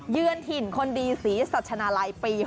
เยือนถิ่นคนดีศรีสัชนาลัยปี๒๕